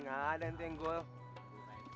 hanya jangan copot